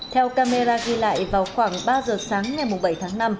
theo camera ghi lại vào khoảng ba giờ sáng ngày bảy tháng năm